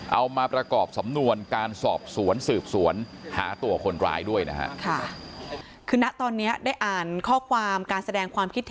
เอามาประกอบสำนวนการสอบสวนสืบสวนหาตัวคนร้ายด้วยนะฮะ